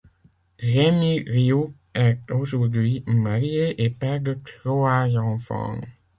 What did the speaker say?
Rémy Rioux est aujourd’hui marié et père de trois enfants.